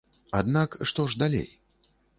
Аднак што ж далей?